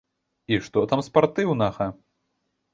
І што там спартыўнага?